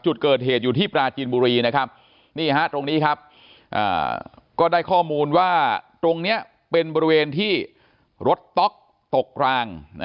จุดเกิดเหตุอยู่ที่ปราจีนบุรีนะครับนี่ฮะตรงนี้ครับก็ได้ข้อมูลว่าตรงนี้เป็นบริเวณที่รถต๊อกตกราง